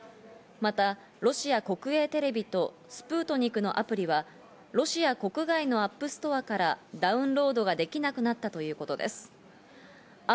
またロシア国営テレビとスプートニクのアプリはロシア国外のＡｐｐｌｅストアからダウンロードができなくなったということです。